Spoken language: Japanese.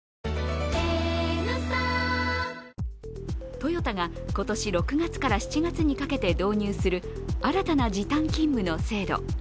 トヨタが今年６月から７月にかけて導入する新たな時短勤務の制度。